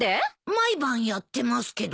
毎晩やってますけど。